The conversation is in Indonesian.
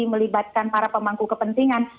melibatkan para pemangku kepentingan